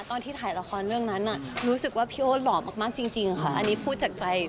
ตอนที่ถ่ายละครเรื่องนั้นรู้สึกว่าพี่โอ๊ตหล่อมากจริงค่ะอันนี้พูดจากใจ